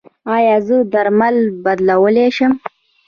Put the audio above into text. ایا زه درمل بدلولی شم؟